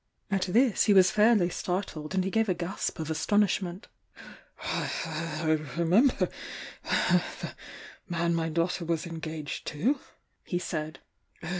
At this he was fairly startled and he gave a gasp of astonishment. "I remember the man my daughter was engaged to," he said.